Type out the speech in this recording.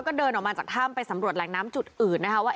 ก็เดินออกมาจากถ้ำไปสำรวจแหล่งน้ำจุดอื่นนะคะว่า